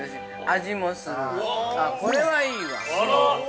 あ、これはいいわ。